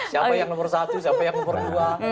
siapa yang nomor satu siapa yang nomor dua